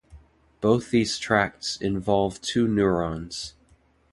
Both these tracts involve two neurons.